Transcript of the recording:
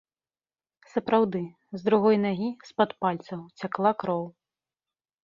Сапраўды, з другой нагі, з-пад пальцаў, цякла кроў.